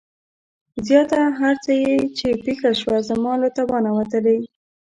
زياته هر څه چې پېښه شوه زما له توانه وتلې.